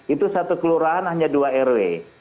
itu satu kelurahan hanya dua rw